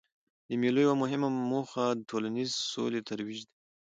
د مېلو یوه مهمه موخه د ټولنیزي سولې ترویج دئ.